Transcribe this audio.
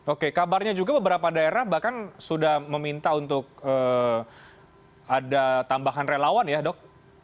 oke kabarnya juga beberapa daerah bahkan sudah meminta untuk ada tambahan relawan ya dok